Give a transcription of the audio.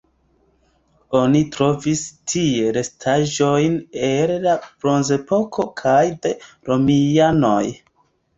Oni trovis tie restaĵojn el la bronzepoko kaj de romianoj.